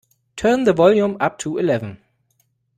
Turn the volume up to eleven.